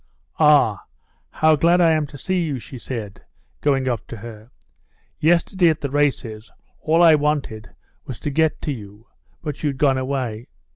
"Ah, how glad I am to see you!" she said, going up to her. "Yesterday at the races all I wanted was to get to you, but you'd gone away.